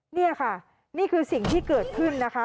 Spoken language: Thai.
นี่ค่ะนี่คือสิ่งที่เกิดขึ้นนะคะ